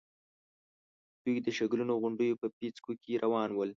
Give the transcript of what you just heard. دوی د شګلنو غونډېو په پيڅکو کې روان ول.